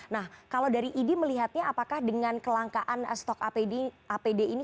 nah kalau dari idi melihatnya apakah dengan kelangkaan stok apd ini